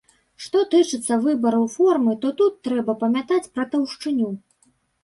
Што тычыцца выбару формы, то тут трэба памятаць пра таўшчыню.